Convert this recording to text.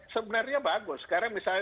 sebenarnya bagus sekarang misalnya